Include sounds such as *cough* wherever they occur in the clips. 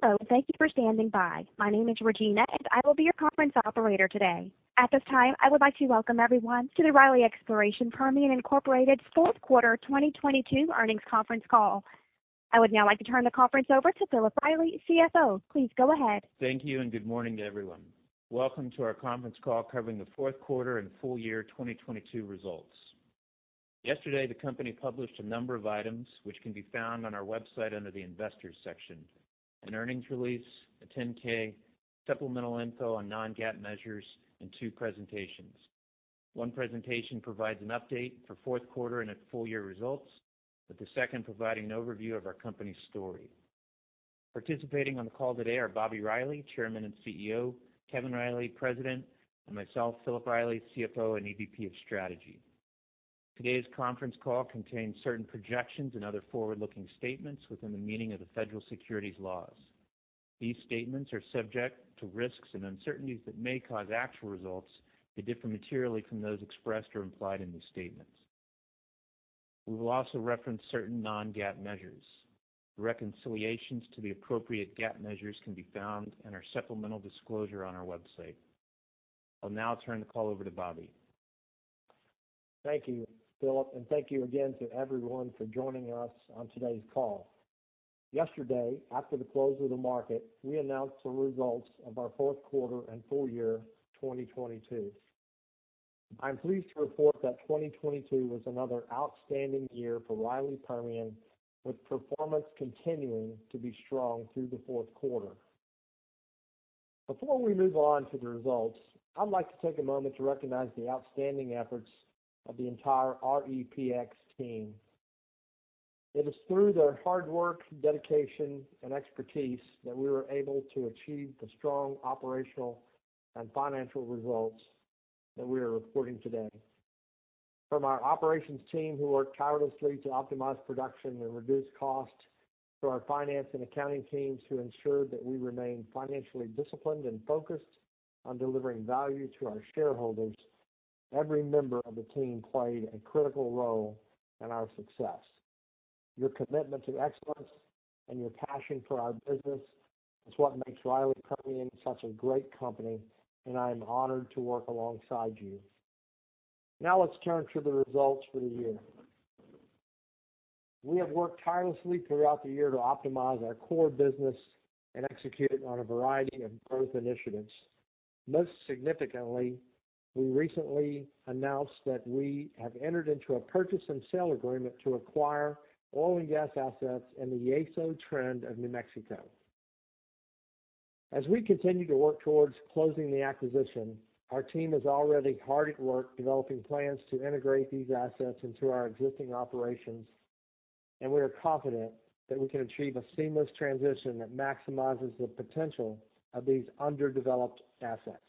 Hello, thank you for standing by. My name is Regina, and I will be your conference operator today. At this time, I would like to welcome everyone to the Riley Exploration Permian Inc. Fourth Quarter 2022 Earnings Conference Call. I would now like to turn the conference over to Philip Riley, CFO. Please go ahead. Thank you, and good morning to everyone. Welcome to our conference call covering the fourth quarter and full year 2022 results. Yesterday, the company published a number of items which can be found on our website under the Investors section. An earnings release, a 10-K, supplemental info on non-GAAP measures, and two presentations. One presentation provides an update for fourth quarter and its full year results, with the second providing an overview of our company's story. Participating on the call today are Bobby Riley, Chairman and CEO, Kevin Riley, President, and myself, Philip Riley, CFO, and EVP of Strategy. Today's conference call contains certain projections and other forward-looking statements within the meaning of the federal securities laws. These statements are subject to risks and uncertainties that may cause actual results to differ materially from those expressed or implied in these statements. We will also reference certain non-GAAP measures. Reconciliations to the appropriate GAAP measures can be found in our supplemental disclosure on our website. I'll now turn the call over to Bobby. Thank you, Philip. Thank you again to everyone for joining us on today's call. Yesterday, after the close of the market, we announced the results of our fourth quarter and full year 2022. I'm pleased to report that 2022 was another outstanding year for Riley Permian, with performance continuing to be strong through the fourth quarter. Before we move on to the results, I'd like to take a moment to recognize the outstanding efforts of the entire REPX team. It is through their hard work, dedication, and expertise that we were able to achieve the strong operational and financial results that we are reporting today. From our operations team who worked tirelessly to optimize production and reduce costs to our finance and accounting teams who ensured that we remain financially disciplined and focused on delivering value to our shareholders, every member of the team played a critical role in our success. Your commitment to excellence and your passion for our business is what makes Riley Permian such a great company, and I am honored to work alongside you. Let's turn to the results for the year. We have worked tirelessly throughout the year to optimize our core business and execute on a variety of growth initiatives. Most significantly, we recently announced that we have entered into a purchase and sale agreement to acquire oil and gas assets in the Yeso Trend of New Mexico. As we continue to work towards closing the acquisition, our team is already hard at work developing plans to integrate these assets into our existing operations. We are confident that we can achieve a seamless transition that maximizes the potential of these underdeveloped assets.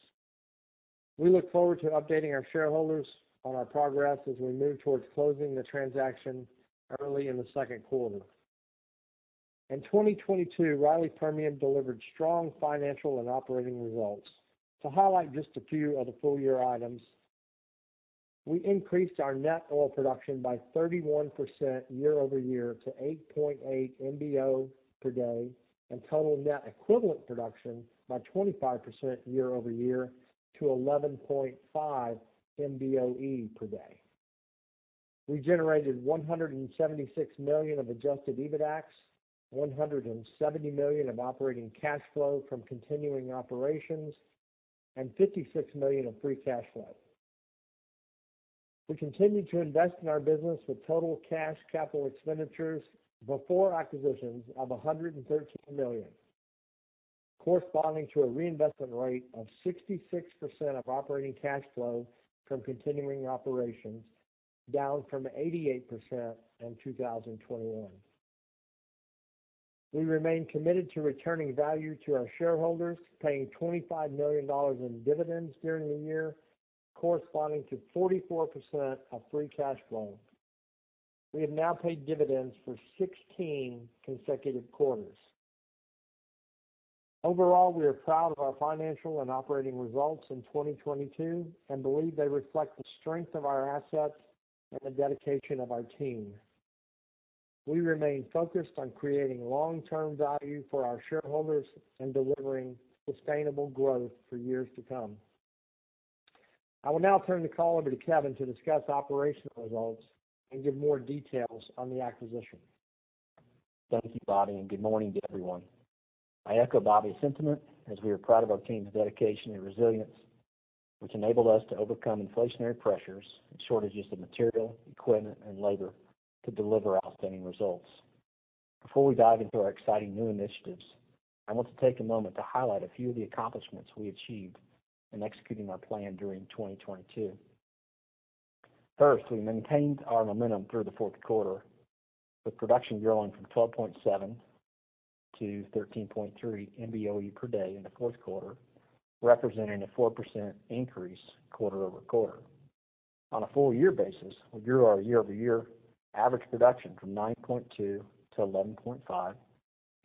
We look forward to updating our shareholders on our progress as we move towards closing the transaction early in the second quarter. In 2022, Riley Permian delivered strong financial and operating results. To highlight just a few of the full year items, we increased our net oil production by 31% year-over-year to 8.8 MBo per day, and total net equivalent production by 25% year-over-year to 11.5 MBoe per day. We generated $176 million of adjusted EBITDAX, $170 million of operating cash flow from continuing operations, and $56 million of free cash flow. We continue to invest in our business with total cash capital expenditures before acquisitions of $113 million, corresponding to a reinvestment rate of 66% of operating cash flow from continuing operations, down from 88% in 2021. We remain committed to returning value to our shareholders, paying $25 million in dividends during the year, corresponding to 44% of free cash flow. We have now paid dividends for 16 consecutive quarters. Overall, we are proud of our financial and operating results in 2022 and believe they reflect the strength of our assets and the dedication of our team. We remain focused on creating long-term value for our shareholders and delivering sustainable growth for years to come. I will now turn the call over to Kevin to discuss operational results and give more details on the acquisition. Thank you, Bobby, and good morning to everyone. I echo Bobby's sentiment as we are proud of our team's dedication and resilience, which enabled us to overcome inflationary pressures and shortages of material, equipment, and labor to deliver outstanding results. Before we dive into our exciting new initiatives, I want to take a moment to highlight a few of the accomplishments we achieved in executing our plan during 2022. First, we maintained our momentum through the fourth quarter with production growing from 12.7-13.3 MBoe/d in the fourth quarter, representing a 4% increase quarter-over-quarter. On a full year basis, we grew our year-over-year average production from 9.2-11.5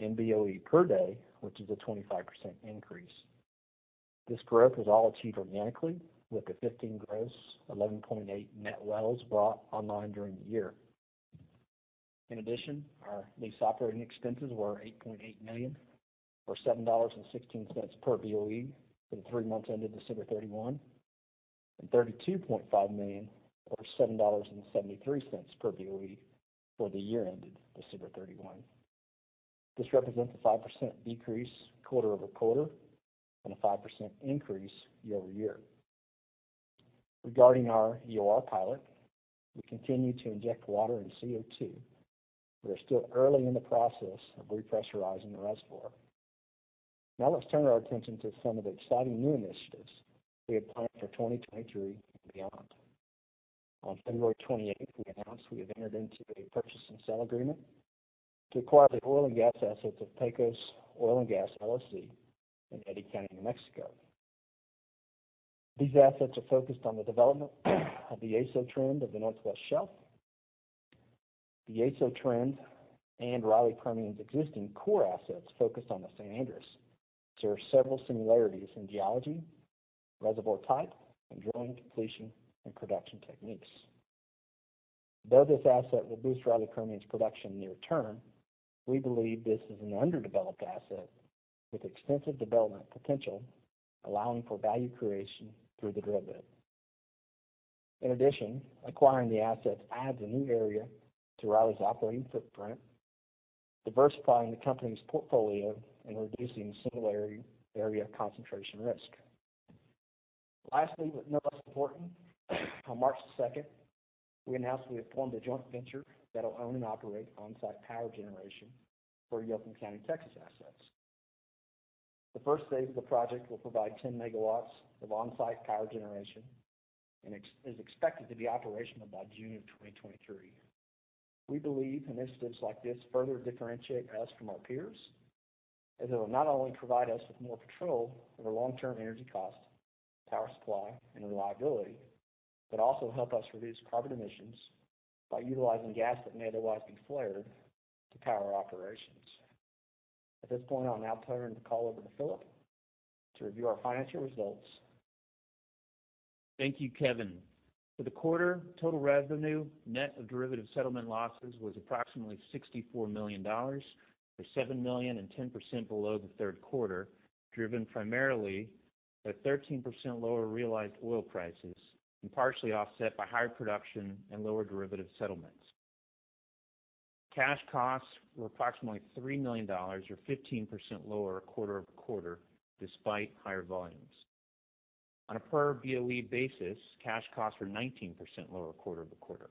MBoe/d, which is a 25% increase. This growth was all achieved organically with the 15 gross 11.8 net wells brought online during the year. In addition, our lease operating expenses were $8.8 million, or $7.16 per BOE for the three months ended December 31, and $32.5 million or $7.73 per BOE for the year ended December 31. This represents a 5% decrease quarter-over-quarter and a 5% increase year-over-year. Regarding our EOR pilot, we continue to inject water and CO2. We are still early in the process of repressurizing the reservoir. Now let's turn our attention to some of the exciting new initiatives we have planned for 2023 and beyond. On February 28th, we announced we have entered into a purchase and sale agreement to acquire the oil and gas assets of Pecos Oil & Gas, LLC in Eddy County, New Mexico. These assets are focused on the development of the Yeso trend of the Northwest Shelf. The Yeso trend and Riley Permian's existing core assets focused on the San Andres share several similarities in geology, reservoir type, and drilling, completion, and production techniques. Though this asset will boost Riley Permian's production near term, we believe this is an underdeveloped asset with extensive development potential, allowing for value creation through the drill bit. In addition, acquiring the assets adds a new area to Riley's operating footprint, diversifying the company's portfolio and reducing similarity area concentration risk. Lastly, no less important, on March 2nd, we announced we have formed a joint venture that will own and operate on-site power generation for Yoakum County, Texas assets. The first phase of the project will provide 10 MW of on-site power generation and is expected to be operational by June 2023. We believe initiatives like this further differentiate us from our peers, as it will not only provide us with more control over long-term energy cost, power supply, and reliability, but also help us reduce carbon emissions by utilizing gas that may otherwise be flared to power operations. At this point, I'll now turn the call over to Philip to review our financial results. Thank you, Kevin. For the quarter, total revenue net of derivative settlement losses was approximately $64 million, or $7 million and 10% below the third quarter, driven primarily by 13% lower realized oil prices and partially offset by higher production and lower derivative settlements. Cash costs were approximately $3 million, or 15% lower quarter-over-quarter, despite higher volumes. On a per BOE basis, cash costs were 19% lower quarter-over-quarter.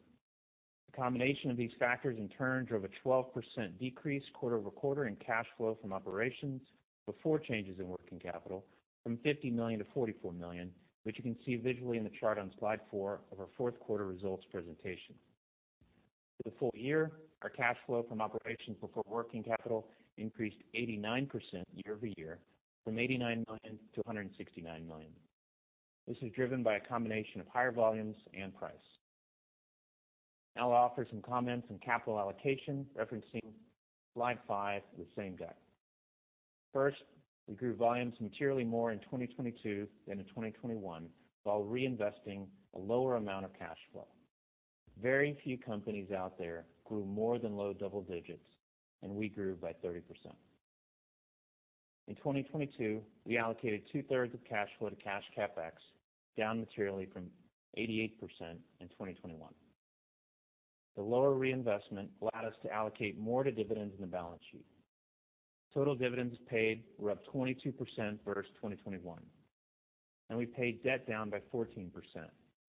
The combination of these factors in turn drove a 12% decrease quarter-over-quarter in cash flow from operations before changes in working capital from $50 million to $44 million, which you can see visually in the chart on slide four of our fourth quarter results presentation. For the full year, our cash flow from operations before working capital increased 89% year-over-year from $89 million to $169 million. This is driven by a combination of higher volumes and price. I'll offer some comments on capital allocation, referencing slide five of the same deck. First, we grew volumes materially more in 2022 than in 2021, while reinvesting a lower amount of cash flow. Very few companies out there grew more than low double digits, and we grew by 30%. In 2022, we allocated 2/3 of cash flow to cash CapEx, down materially from 88% in 2021. The lower reinvestment allowed us to allocate more to dividends in the balance sheet. Total dividends paid were up 22% versus 2021. We paid debt down by 14%,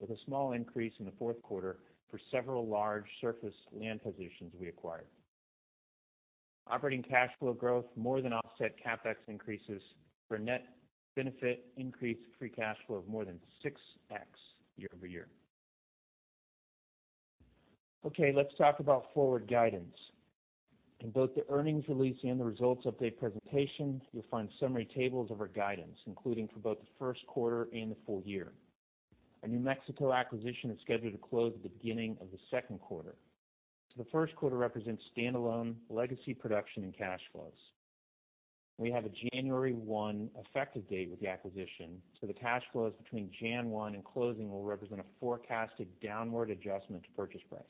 with a small increase in the fourth quarter for several large surface land positions we acquired. Operating cash flow growth more than offset CapEx increases for net benefit increase free cash flow of more than 6x year-over-year. Okay, let's talk about forward guidance. In both the earnings release and the results update presentation, you'll find summary tables of our guidance, including for both the first quarter and the full year. Our New Mexico acquisition is scheduled to close at the beginning of the second quarter. The first quarter represents standalone legacy production and cash flows. We have a January 1 effective date with the acquisition. The cash flows between January 1 and closing will represent a forecasted downward adjustment to purchase price.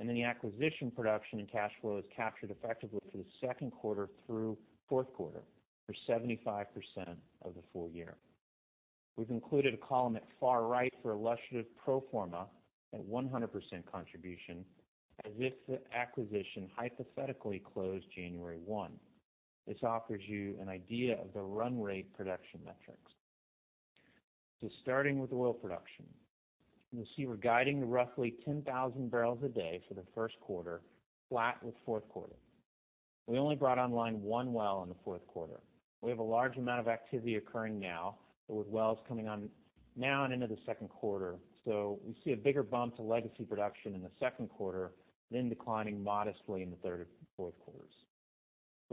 The acquisition production and cash flow is captured effectively for the second quarter through fourth quarter for 75% of the full year. We've included a column at far right for illustrative pro forma at 100% contribution, as if the acquisition hypothetically closed January 1. This offers you an idea of the run rate production metrics. Starting with oil production. You'll see we're guiding roughly 10,000 barrels a day for the first quarter, flat with fourth quarter. We only brought online one well in the fourth quarter. We have a large amount of activity occurring now with wells coming on now and into the second quarter. We see a bigger bump to legacy production in the second quarter, then declining modestly in the third or fourth quarters.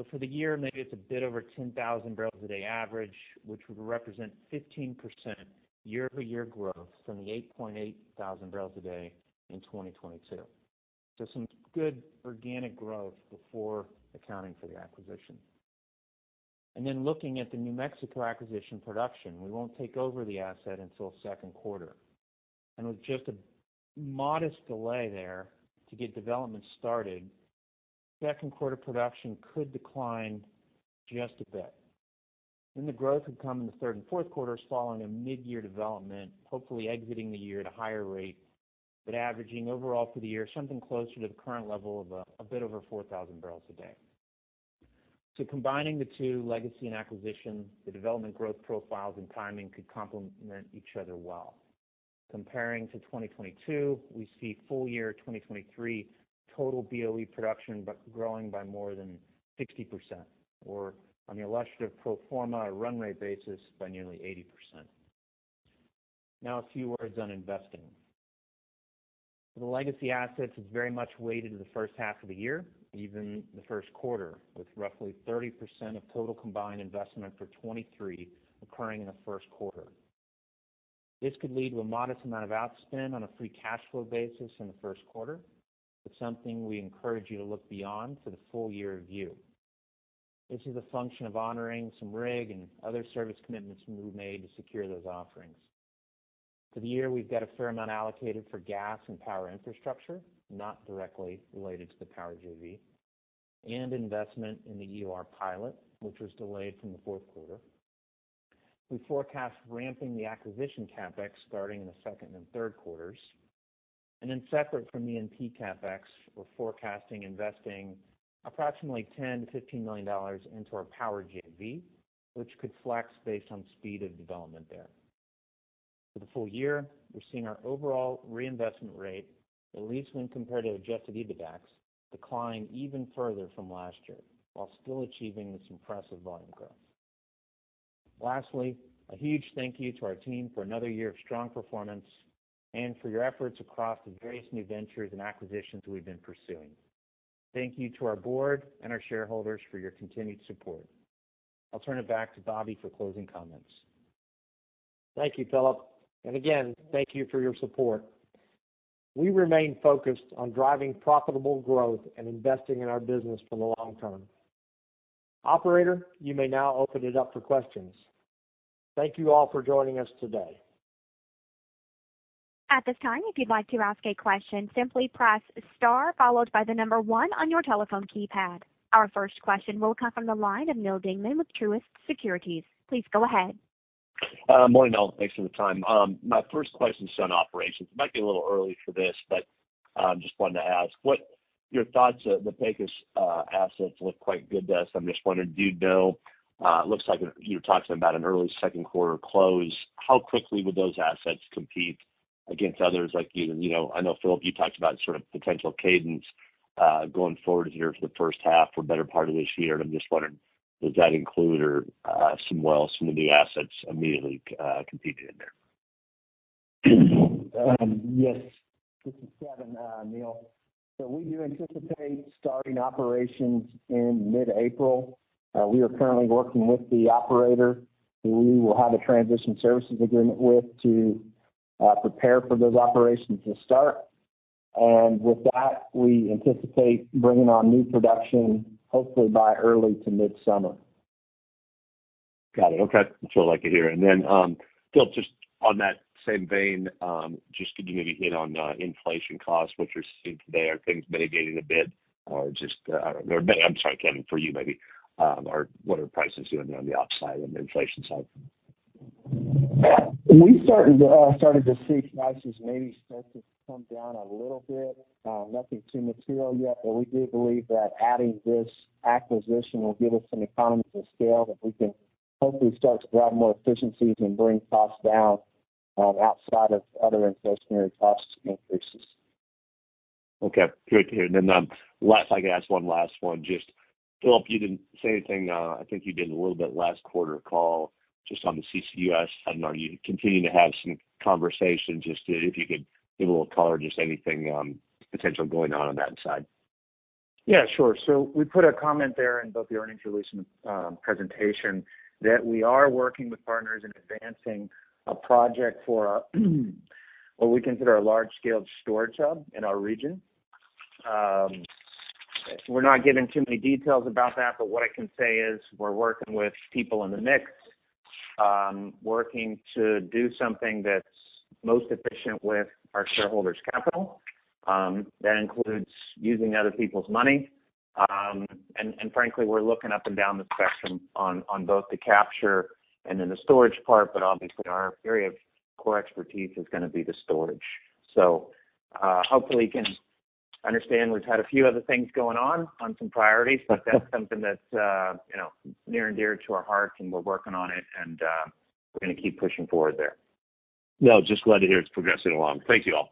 For the year, maybe it's a bit over 10,000 barrels a day average, which would represent 15% year-over-year growth from the 8,800 barrels a day in 2022. Some good organic growth before accounting for the acquisition. Looking at the New Mexico acquisition production, we won't take over the asset until second quarter. With just a modest delay there to get development started, second quarter production could decline just a bit. The growth would come in the third and fourth quarter following a mid-year development, hopefully exiting the year at a higher rate, but averaging overall for the year something closer to the current level of a bit over 4,000 barrels a day. Combining the two legacy and acquisition, the development growth profiles and timing could complement each other well. Comparing to 2022, we see full year 2023 total BOE production but growing by more than 60% or on the illustrative pro forma run rate basis by nearly 80%. A few words on investing. For the legacy assets, it's very much weighted to the first half of the year, even the first quarter, with roughly 30% of total combined investment for 2023 occurring in the first quarter. This could lead to a modest amount of outspend on a free cash flow basis in the first quarter, but something we encourage you to look beyond for the full year view. This is a function of honoring some rig and other service commitments we've made to secure those offerings. For the year, we've got a fair amount allocated for gas and power infrastructure, not directly related to the power JV, and investment in the EOR pilot, which was delayed from the fourth quarter. We forecast ramping the acquisition CapEx starting in the second and third quarters. Separate from the NP CapEx, we're forecasting investing approximately $10 million-$15 million into our power JV, which could flex based on speed of development there. For the full year, we're seeing our overall reinvestment rate, at least when compared to adjusted EBITDAX, decline even further from last year while still achieving this impressive volume growth. Lastly, a huge thank you to our team for another year of strong performance and for your efforts across the various new ventures and acquisitions we've been pursuing. Thank you to our board and our shareholders for your continued support. I'll turn it back to Bobby for closing comments. Thank you, Philip. Again, thank you for your support. We remain focused on driving profitable growth and investing in our business for the long term. Operator, you may now open it up for questions. Thank you all for joining us today. At this time, if you'd like to ask a question, simply press star followed by one on your telephone keypad. Our first question will come from the line of Neal Dingmann with Truist Securities. Please go ahead. Morning, all. Thanks for the time. My first question is on operations. It might be a little early for this, but just wanted to ask what your thoughts are. The Pecos assets look quite good to us. I'm just wondering, do you know, it looks like you're talking about an early second quarter close. How quickly would those assets compete against others like even you know, I know Philip, you talked about sort of potential cadence going forward here for the first half or better part of this year. I'm just wondering, does that include or some wells, some of the assets immediately competing in there? Yes, this is Kevin, Neal. We do anticipate starting operations in mid-April. We are currently working with the operator, who we will have a transition services agreement with to prepare for those operations to start. With that, we anticipate bringing on new production hopefully by early to mid-summer. Got it. Okay. That's what I like to hear. Then, Phil, just on that same vein, just could you maybe hit on inflation costs, what you're seeing today? Are things mitigating a bit or just? Or maybe, I'm sorry, Kevin, for you maybe, what are prices doing on the upside on the inflation side? We started to see prices maybe start to come down a little bit. Nothing too material yet, but we do believe that adding this acquisition will give us some economies of scale that we can hopefully start to drive more efficiencies and bring costs down outside of other inflationary cost increases. Okay, good to hear. Last if I could ask one last one, just Philip, you didn't say anything. I think you did a little bit last quarter call just on the CCUS. I don't know if you continue to have some conversations, just if you could give a little color, just anything, potential going on on that side? Yeah, sure. We put a comment there in both the earnings release and presentation that we are working with partners in advancing a project for what we consider a large-scale storage hub in our region. We're not giving too many details about that, but what I can say is we're working with people in the mix, working to do something that's most efficient with our shareholders' capital. That includes using other people's money. Frankly, we're looking up and down the spectrum on both the capture and then the storage part, but obviously our area of core expertise is gonna be the storage. Hopefully you can understand we've had a few other things going on on some priorities, but that's something that's, you know, near and dear to our hearts, and we're working on it and, we're gonna keep pushing forward there. No, just glad to hear it's progressing along. Thank you all.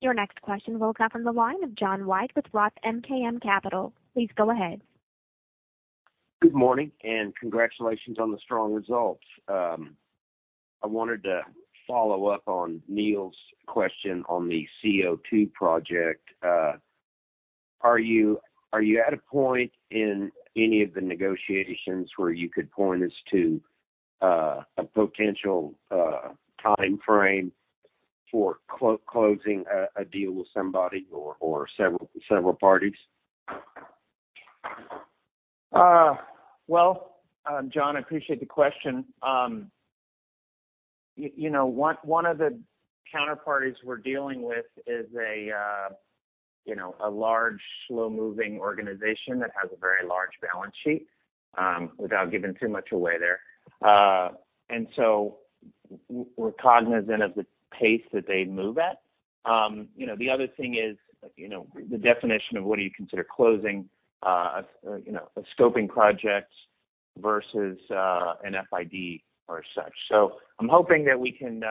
Your next question will come from the line of John White with ROTH MKM Capital. Please go ahead. Good morning, congratulations on the strong results. I wanted to follow up on Neal's question on the CO2 project. Are you at a point in any of the negotiations where you could point us to a potential timeframe for closing a deal with somebody or several parties? Well, John, I appreciate the question. You know, one of the counterparties we're dealing with is a, you know, a large, slow-moving organization that has a very large balance sheet, without giving too much away there. We're cognizant of the pace that they move at. You know, the other thing is, you know, the definition of what do you consider closing, you know, a scoping project versus an FID or such. I'm hoping that we can,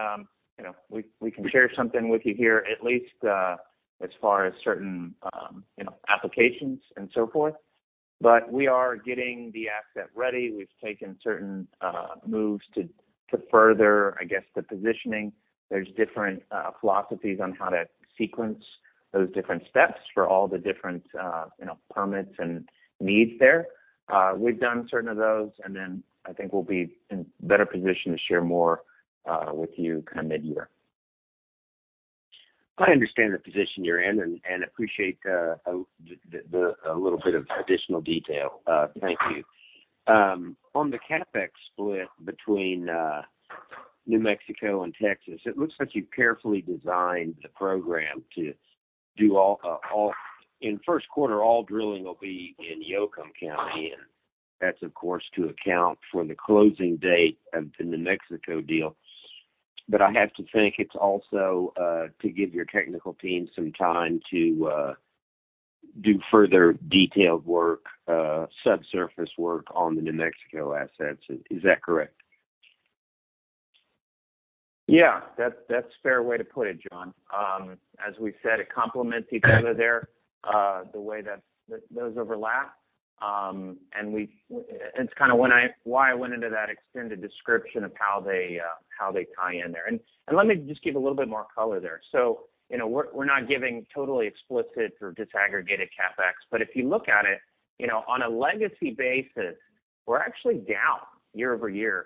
you know, we can share something with you here at least, as far as certain, you know, applications and so forth. We are getting the asset ready. We've taken certain moves to further, I guess, the positioning. There's different philosophies on how to sequence those different steps for all the different, you know, permits and needs there. We've done certain of those, and then I think we'll be in better position to share more with you come midyear. I understand the position you're in and appreciate the, a little bit of additional detail. Thank you. On the CapEx split between New Mexico and Texas, it looks like you carefully designed the program to do all In first quarter, all drilling will be in Yoakum County, and that's, of course, to account for the closing date of the New Mexico deal. I have to think it's also to give your technical team some time to do further detailed work, subsurface work on the New Mexico assets. Is that correct? Yeah, that's a fair way to put it, John. As we said, it complements each other there, the way that those overlap. It's kind of when I why I went into that extended description of how they tie in there. Let me just give a little bit more color there. You know, we're not giving totally explicit or disaggregated CapEx. If you look at it, you know, on a legacy basis, we're actually down year-over-year,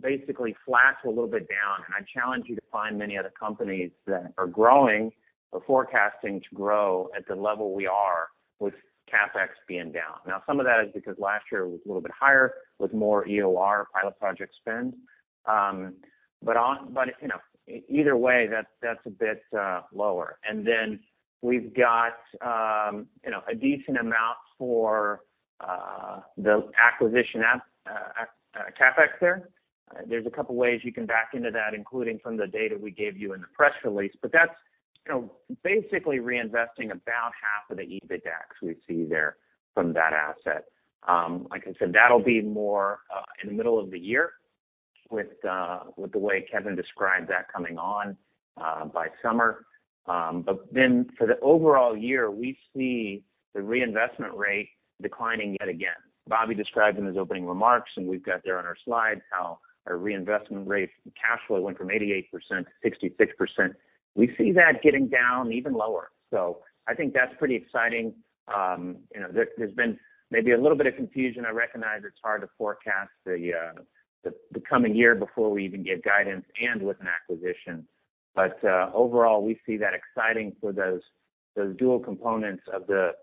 basically flat to a little bit down. I challenge you to find many other companies that are growing or forecasting to grow at the level we are with CapEx being down. Some of that is because last year was a little bit higher with more EOR pilot project spend. You know, either way, that's a bit lower. We've got, you know, a decent amount for the acquisition CapEx there. There's a couple ways you can back into that, including from the data we gave you in the press release. That's, you know, basically reinvesting about half of the EBITDAX we see there from that asset. Like I said, that'll be more in the middle of the year with the way Kevin described that coming on by summer. For the overall year, we see the reinvestment rate declining yet again. Bobby described in his opening remarks, and we've got there on our slide, how our reinvestment rate from cash flow went from 88% to 66%. We see that getting down even lower. I think that's pretty exciting. You know, there's been maybe a little bit of confusion. I recognize it's hard to forecast the coming year before we even give guidance and with an acquisition. Overall, we see that exciting for those dual components of the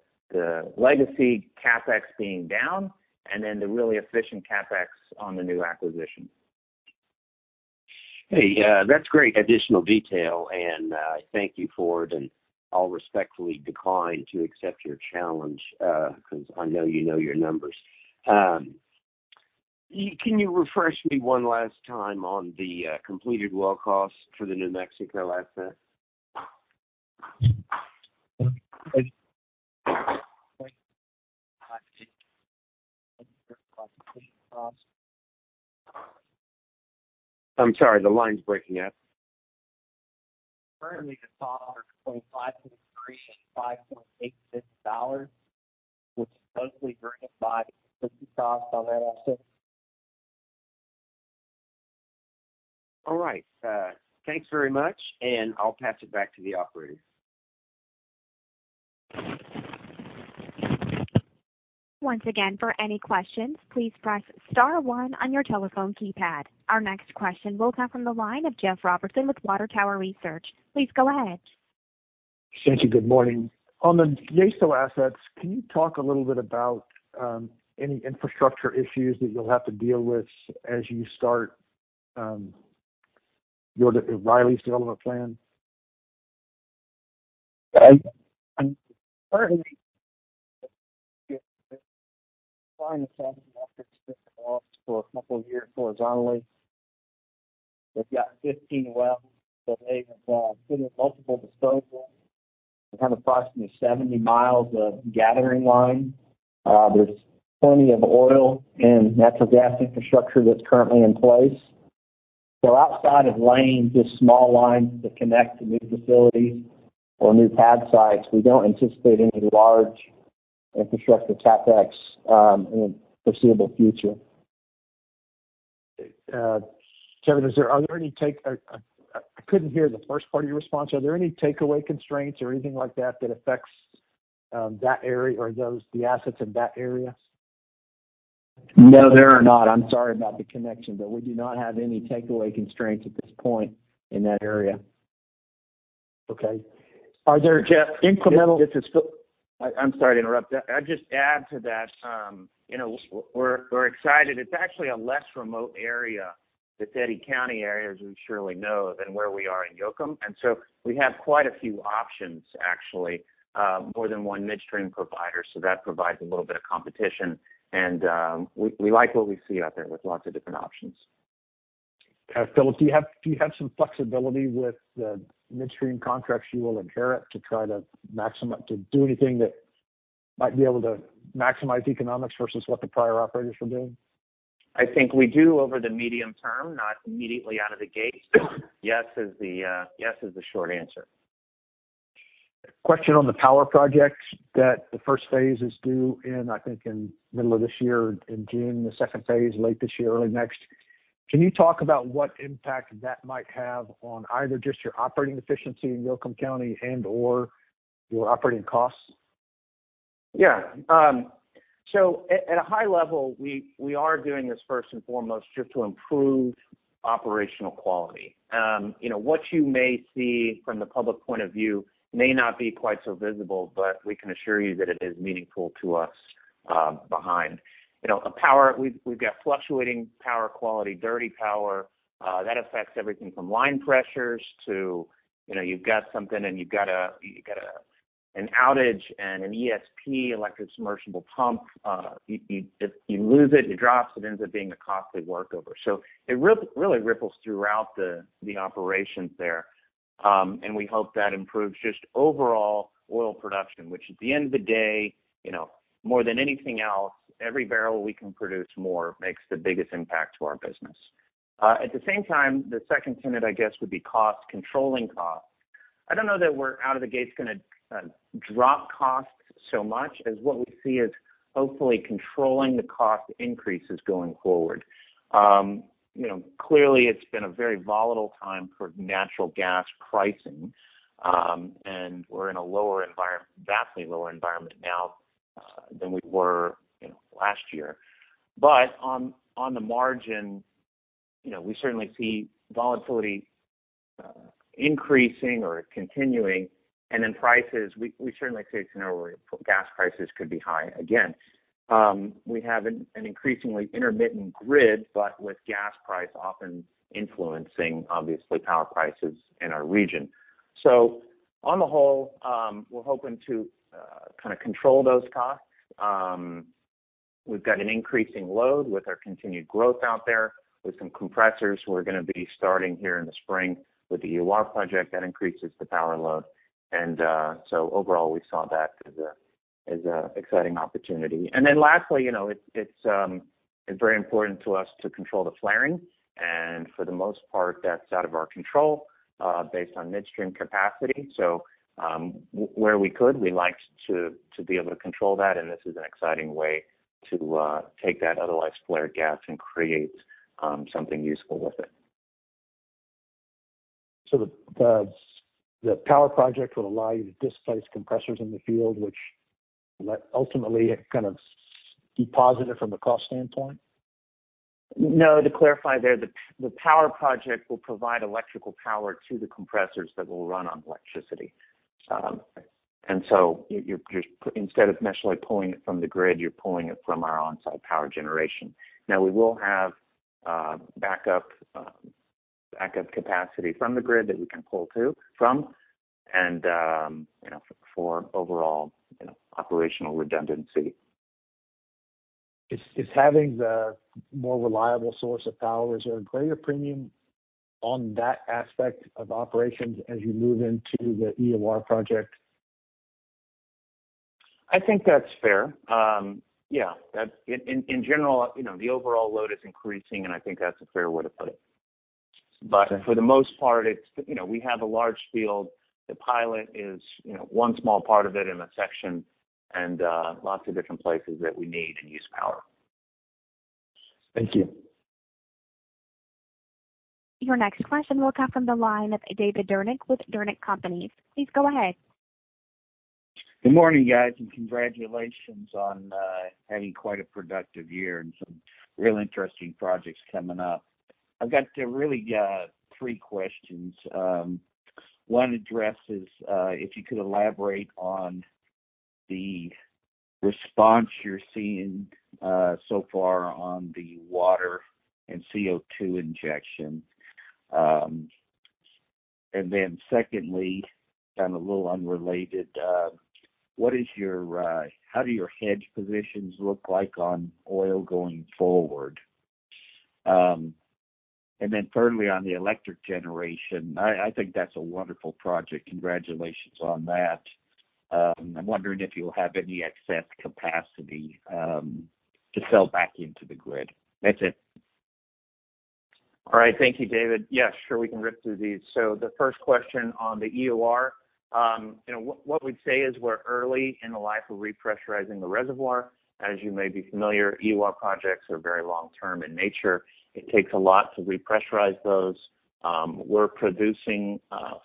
legacy CapEx being down and then the really efficient CapEx on the new acquisition. Hey, that's great additional detail, and thank you for it, and I'll respectfully decline to accept your challenge, because I know you know your numbers. Can you refresh me one last time on the completed well costs for the New Mexico assets? I'm sorry, the line's breaking up. Currently, the costs are between, *audio distortion* which is closely mirrored by the costs on that asset. All right. Thanks very much, and I'll pass it back to the operator. Once again, for any questions, please press star one on your telephone keypad. Our next question will come from the line of Jeff Robertson with Water Tower Research. Please go ahead. Thank you. Good morning. On the Yeso assets, can you talk a little bit about any infrastructure issues that you'll have to deal with as you start your development plan? Currently for a couple of years horizontally. We've got 15 wells, so they involve multiple disposal. We have approximately 70 miles of gathering line. There's plenty of oil and natural gas infrastructure that's currently in place. Outside of laying the small lines that connect to new facilities or new pad sites, we don't anticipate any large infrastructure CapEx in the foreseeable future. Kevin, I couldn't hear the first part of your response. Are there any takeaway constraints or anything like that that affects that area or those, the assets in that area? No, there are not. I'm sorry about the connection, but we do not have any takeaway constraints at this point in that area. Okay. Are there incremental- Jeff, this is Phil. I'm sorry to interrupt. I'd just add to that. you know, we're excited. It's actually a less remote area, the Eddy County area, as we surely know, than where we are in Yoakum. So we have quite a few options, actually, more than one midstream provider. So that provides a little bit of competition. We like what we see out there with lots of different options. Philip, do you have some flexibility with the midstream contracts you will inherit to do anything that might be able to maximize economics versus what the prior operators were doing? I think we do over the medium term, not immediately out of the gate. Yes is the, yes is the short answer. Question on the power project that the first phase is due in, I think in middle of this year in June, the second phase late this year, early next. Can you talk about what impact that might have on either just your operating efficiency in Yoakum County and/or your operating costs? At a high level, we are doing this first and foremost just to improve operational quality. You know, what you may see from the public point of view may not be quite so visible, but we can assure you that it is meaningful to us behind. You know, the power we've got fluctuating power quality, dirty power that affects everything from line pressures to, you know, you've got something and you've got an outage and an ESP, electric submersible pump. You, if you lose it drops, it ends up being a costly workover. It really ripples throughout the operations there. We hope that improves just overall oil production, which at the end of the day, you know, more than anything else, every barrel we can produce more makes the biggest impact to our business. At the same time, the second tenet, I guess, would be cost, controlling cost. I don't know that we're out of the gate gonna drop costs so much as what we see is hopefully controlling the cost increases going forward. You know, clearly it's been a very volatile time for natural gas pricing. We're in a lower environment, vastly lower environment now than we were, you know, last year. On the margin, you know, we certainly see volatility increasing or continuing. Prices, we certainly see a scenario where gas prices could be high again. We have an increasingly intermittent grid, but with gas price often influencing obviously power prices in our region. On the whole, we're hoping to kind of control those costs. We've got an increasing load with our continued growth out there. With some compressors, we're gonna be starting here in the spring with the EOR project that increases the power load. Overall, we saw that as an exciting opportunity. Lastly, you know, it's very important to us to control the flaring, and for the most part, that's out of our control, based on midstream capacity. Where we could, we like to be able to control that, and this is an exciting way to take that otherwise flared gas and create something useful with it. The power project will allow you to displace compressors in the field, which ultimately kind of be positive from a cost standpoint? No, to clarify there, the power project will provide electrical power to the compressors that will run on electricity. So you're instead of necessarily pulling it from the grid, you're pulling it from our on-site power generation. Now, we will have, backup capacity from the grid that we can pull from and, you know, for overall, you know, operational redundancy. Is having the more reliable source of power, is there a greater premium on that aspect of operations as you move into the EOR project? I think that's fair. Yeah. In general, you know, the overall load is increasing, and I think that's a fair way to put it. Okay. For the most part, it's, you know, we have a large field. The pilot is, you know, one small part of it in a section and lots of different places that we need and use power. Thank you. Your next question will come from the line of David Derrick with Derrick & Companies. Please go ahead. Good morning, guys, congratulations on having quite a productive year and some real interesting projects coming up. I've got really three questions. One addresses if you could elaborate on the response you're seeing so far on the water and CO2 injection. Secondly, kind of a little unrelated, how do your hedge positions look like on oil going forward? Thirdly, on the electric generation, I think that's a wonderful project. Congratulations on that. I'm wondering if you'll have any excess capacity to sell back into the grid. That's it. All right. Thank you, David. Yes, sure, we can rip through these. The first question on the EOR, you know, what we'd say is we're early in the life of repressurizing the reservoir. As you may be familiar, EOR projects are very long-term in nature. It takes a lot to repressurize those. We're producing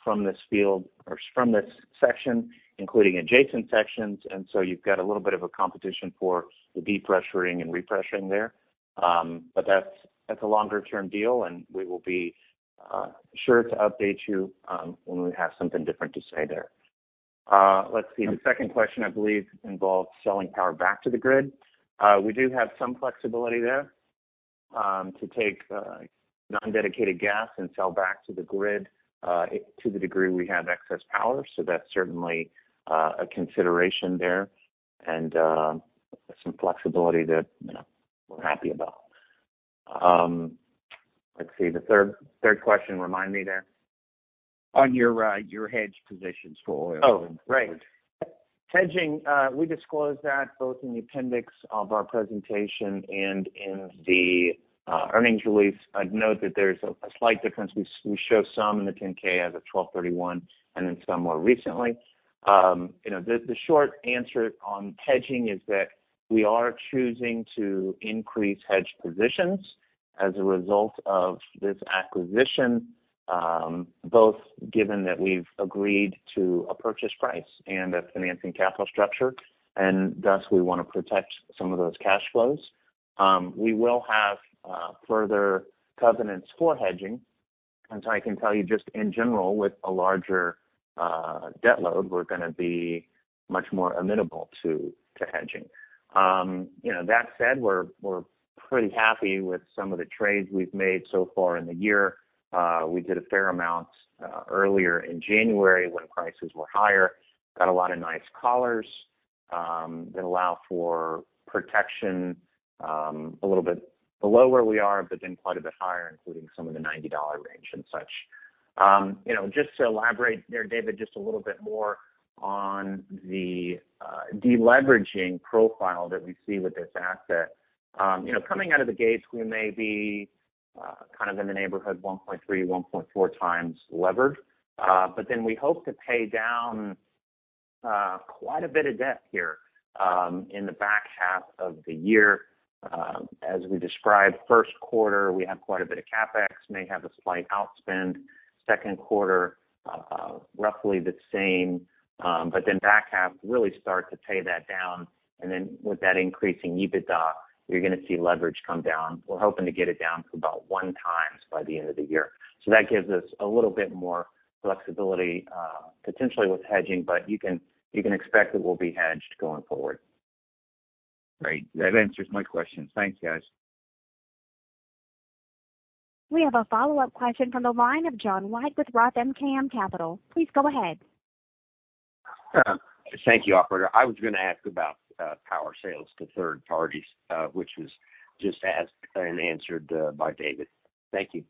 from this field or from this section, including adjacent sections. You've got a little bit of a competition for the depressuring and refreshing there. That's a longer-term deal, and we will be sure to update you when we have something different to say there. Let's see. The second question, I believe, involves selling power back to the grid. We do have some flexibility there, to take non-dedicated gas and sell back to the grid, to the degree we have excess power. That's certainly a consideration there and some flexibility that, you know, we're happy about. Let's see. The third question. Remind me there. On your hedge positions for oil. Right. Hedging, we disclose that both in the appendix of our presentation and in the earnings release. I'd note that there's a slight difference. We show some in the 10-K as of 12/31 and then some more recently. You know, the short answer on hedging is that we are choosing to increase hedge positions as a result of this acquisition, both given that we've agreed to a purchase price and a financing capital structure, and thus we wanna protect some of those cash flows. We will have further covenants for hedging. I can tell you just in general, with a larger debt load, we're gonna be much more amenable to hedging. You know, that said, we're pretty happy with some of the trades we've made so far in the year. We did a fair amount earlier in January when prices were higher, got a lot of nice collars that allow for protection a little bit below where we are, quite a bit higher including some in the $90 range and such. You know, just to elaborate there, David, just a little bit more on the deleveraging profile that we see with this asset. You know, coming out of the gates, we may be kind of in the neighborhood 1.3, 1.4 times levered. We hope to pay down quite a bit of debt here in the back half of the year. We described first quarter, we have quite a bit of CapEx, may have a slight outspend. Second quarter, roughly the same, back half really start to pay that down. With that increasing EBITDA, you're gonna see leverage come down. We're hoping to get it down to about one times by the end of the year. That gives us a little bit more flexibility, potentially with hedging, but you can expect that we'll be hedged going forward. Great. That answers my question. Thanks, guys. We have a follow-up question from the line of John White with ROTH MKM Capital. Please go ahead. Thank you, operator. I was gonna ask about power sales to third parties, which was just asked and answered by David. Thank you.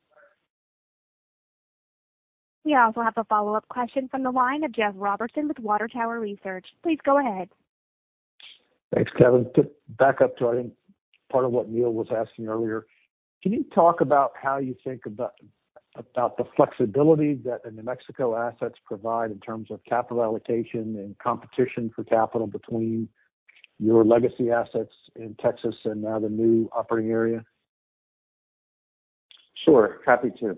We also have a follow-up question from the line of Jeff Robertson with Water Tower Research. Please go ahead. Thanks, Kevin. To back up to, I think part of what Neal was asking earlier, can you talk about the flexibility that the New Mexico assets provide in terms of capital allocation and competition for capital between your legacy assets in Texas and now the new operating area? Sure. Happy to.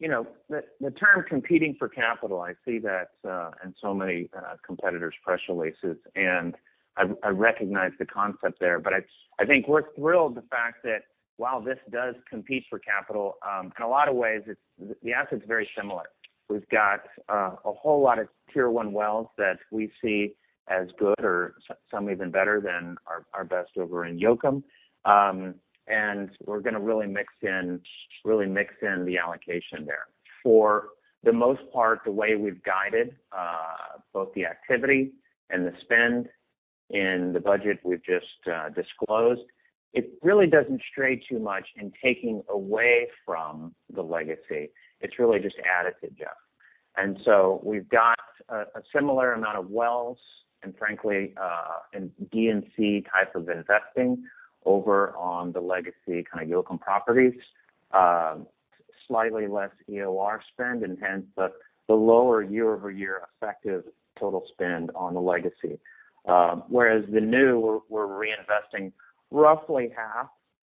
You know, the term competing for capital, I see that in so many competitors' press releases, and I recognize the concept there. I think we're thrilled the fact that while this does compete for capital, in a lot of ways the asset is very similar. We've got a whole lot of tier one wells that we see as good or some even better than our best over in Yoakum. We're gonna really mix in the allocation there. For the most part, the way we've guided both the activity and the spend in the budget we've just disclosed, it really doesn't stray too much in taking away from the legacy. It's really just added to, Jeff. We've got a similar amount of wells and frankly, D&C type of investing over on the legacy kind of Yoakum properties, slightly less EOR spend and hence the lower year-over-year effective total spend on the legacy. Whereas the new we're reinvesting roughly half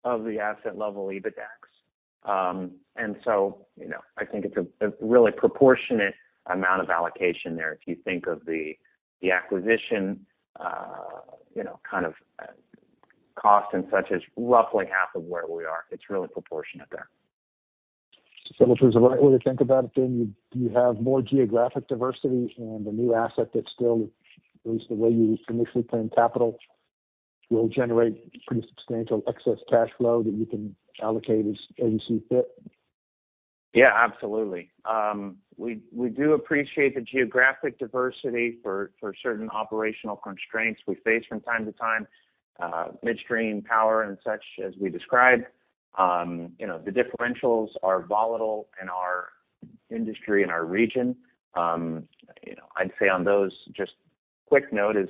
of the asset level EBITDAX. You know, I think it's a really proportionate amount of allocation there. If you think of the acquisition, you know, kind of cost and such as roughly half of where we are, it's really proportionate there. If there's a right way to think about it, then you have more geographic diversity and a new asset that still, at least the way you initially plan capital, will generate pretty substantial excess cash flow that you can allocate as you see fit. Yeah, absolutely. We do appreciate the geographic diversity for certain operational constraints we face from time to time, midstream power and such as we described. You know, the differentials are volatile in our industry and our region. You know, I'd say on those, just quick note is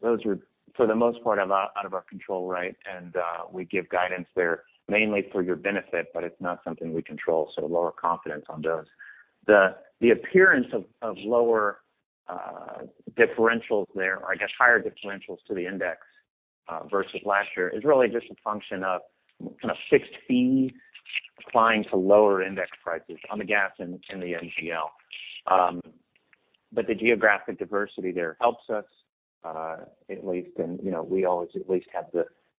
those are, for the most part, out of our control, right? We give guidance there mainly for your benefit, but it's not something we control, so lower confidence on those. The appearance of lower differentials there or I guess, higher differentials to the index versus last year is really just a function of kind of fixed fee applying to lower index prices on the gas and the NGL. The geographic diversity there helps us, you know, we always at least have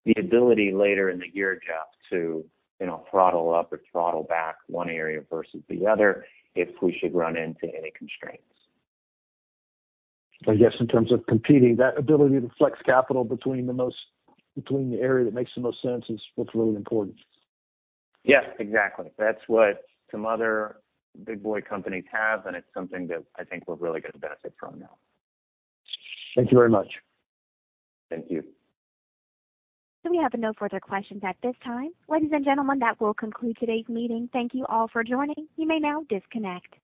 the ability later in the year, Jeff, to, you know, throttle up or throttle back one area versus the other if we should run into any constraints. I guess in terms of competing, that ability to flex capital between the area that makes the most sense is what's really important. Yes, exactly. That's what some other big boy companies have, and it's something that I think we're really gonna benefit from now. Thank you very much. Thank you. We have no further questions at this time. Ladies and gentlemen, that will conclude today's meeting. Thank you all for joining. You may now disconnect.